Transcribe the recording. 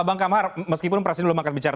bang kamar meskipun presiden belum akan bicara